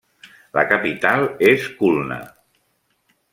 La capital és Khulna.